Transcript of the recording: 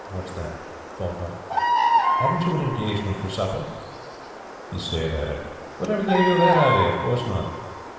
'What's that? Thought what?' 'Hadn't you an engagement for supper?' He stared at her. 'Whatever gave you that idea? Of course not.'